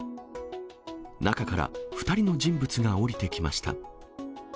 中から２人の人物が降りてきました。